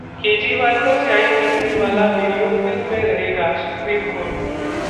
केजरीवाल पर स्याही फेंकने वाला वीडियो फिल्म में रहेगा: सुप्रीम कोर्ट